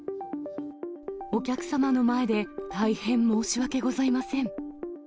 お客様の前で大変申し訳ございません。